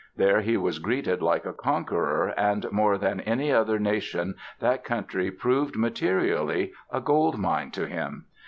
There he was greeted like a conqueror and more than any other nation that country proved, materially, a gold mine to him.